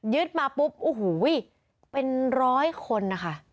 มาปุ๊บโอ้โหเป็นร้อยคนนะคะ